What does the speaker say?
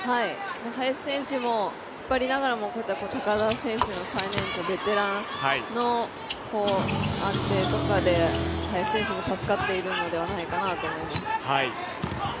林選手も引っ張りながらも高田選手の最年長ベテランの安定とかで林選手も助かっているのではないかなと思っています。